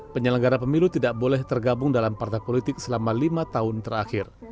penyelenggara pemilu tidak boleh tergabung dalam partai politik selama lima tahun terakhir